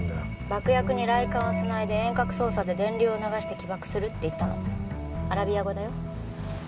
「爆薬に雷管をつないで遠隔操作で電流を流して起爆する」って言ったのアラビア語だよ